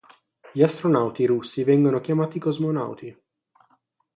Gli astronauti russi vengono chiamati cosmonauti.